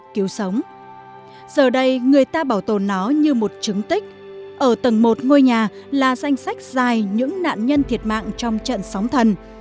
các ngôi nhà là danh sách dài những nạn nhân thiệt mạng trong trận sóng thần